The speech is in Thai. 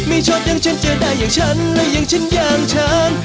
ไม่ชอบอย่างฉันเจอได้อย่างฉันและอย่างฉันอย่างฉัน